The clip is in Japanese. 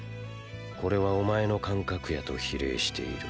これはお前の感覚野と比例している。